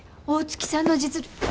大月さんの実力。